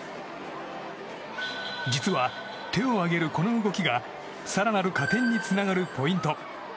実は、手を上げるこの動きが更なる加点につながるポイント。